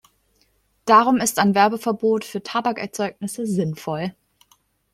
Darum ist ein Werbeverbot für Tabakerzeugnisse sinnvoll.